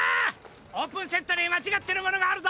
オープンセットにまちがってるものがあるぞ！